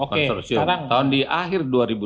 menyiapkan pemilihan konsorsium